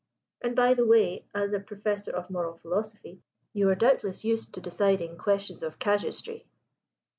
And, by the way, as a Professor of Moral Philosophy, you are doubtless used to deciding questions of casuistry?"